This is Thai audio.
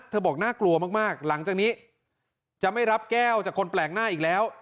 บอกน่ากลัวมากหลังจากนี้จะไม่รับแก้วจากคนแปลกหน้าอีกแล้ว